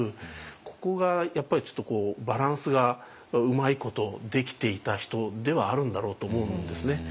ここがやっぱりちょっとバランスがうまいことできていた人ではあるんだろうと思うんですね。